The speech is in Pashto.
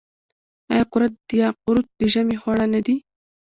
آیا کورت یا قروت د ژمي خواړه نه دي؟